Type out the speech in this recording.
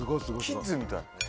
キッズみたい。